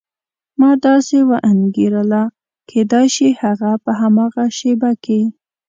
ما داسې وانګېرله کېدای شي هغه په هماغه شېبه کې.